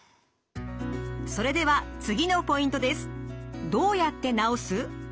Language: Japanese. それでは次のポイントです。